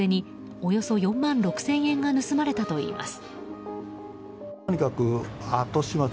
およそ４万６０００円が盗まれたといいます。